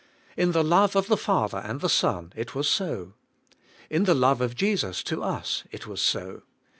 In the love of the Father and the Son, it was so. In the love of Jesus to us, it was so.